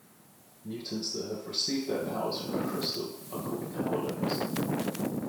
Mutants that have received their powers from a Crystal are called Powerlings.